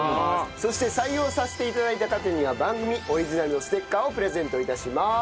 そして採用させて頂いた方には番組オリジナルのステッカーをプレゼント致します。